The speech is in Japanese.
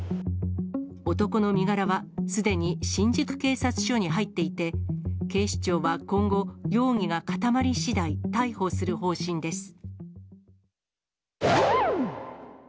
男の身柄はすでに新宿警察署に入っていて、警視庁は今後、容疑が固まりしだい、逮捕する方針です。